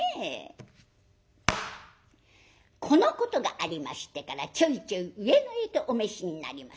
このことがありましてからちょいちょい上野へとお召しになります。